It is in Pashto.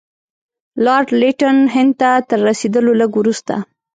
لارډ لیټن هند ته تر رسېدلو لږ وروسته.